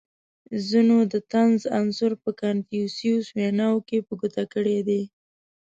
• ځینو د طنز عنصر په کنفوسیوس ویناوو کې په ګوته کړی دی.